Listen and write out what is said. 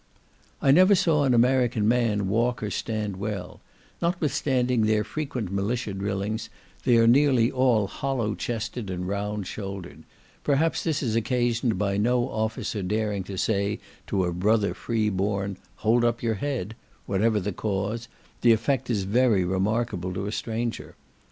I never saw an American man walk or stand well; notwithstanding their frequent militia drillings, they are nearly all hollow chested and round shouldered: perhaps this is occasioned by no officer daring to say to a brother free born "hold up your head;" whatever the cause, the effect is very remarkable to a stranger.